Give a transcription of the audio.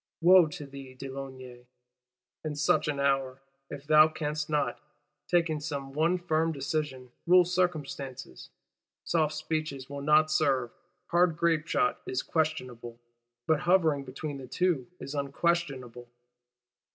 Wo to thee, de Launay, in such an hour, if thou canst not, taking some one firm decision, rule circumstances! Soft speeches will not serve; hard grape shot is questionable; but hovering between the two is _un_questionable.